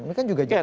ini kan juga jatuh